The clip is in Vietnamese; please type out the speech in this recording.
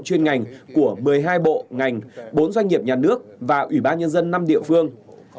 chuyên ngành của một mươi hai bộ ngành bốn doanh nghiệp nhà nước và ủy ban nhân dân năm địa phương